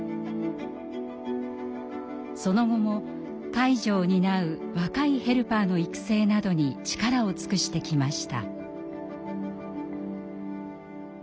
その後も介助を担う若いヘルパーの育成などに力を尽くしてきました。